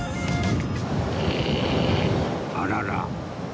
あらら